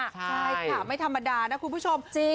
ใช่ค่ะไม่ธรรมดานะคุณผู้ชม